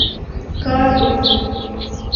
کار وکړو.